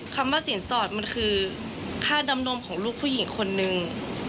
คำว่าสินสอดมันคือค่าดำนมของลูกผู้หญิงคนนึง